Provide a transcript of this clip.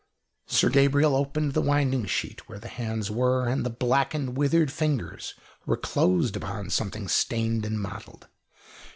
Sir Gabriel opened the winding sheet where the hands were, and the blackened, withered fingers were closed upon something stained and mottled.